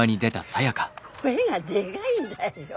声がでがいんだよ。